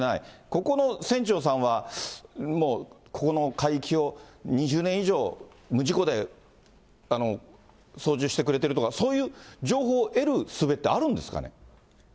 ここの船長さんはもうここの海域を２０年以上、無事故で操縦してくれてるとか、そういう情報を得るすべってあるんですかね。